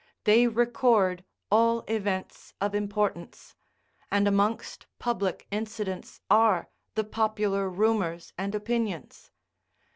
They record all events of importance; and amongst public incidents are the popular rumours and opinions.